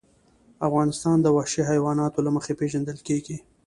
افغانستان د وحشي حیواناتو له مخې پېژندل کېږي.